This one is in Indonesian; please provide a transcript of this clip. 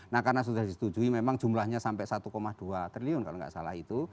nah karena sudah disetujui memang jumlahnya sampai satu dua triliun kalau nggak salah itu